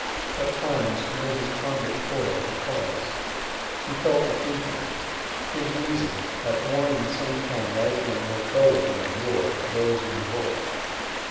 At times, amid his convict toil, he paused. He fell to thinking. His reason, at one and the same time riper and more troubled than of yore, rose in revolt.